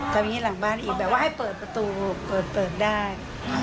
ทำแบบนี้หลังบ้านอีกแบบว่าให้เปิดประตูเปิดได้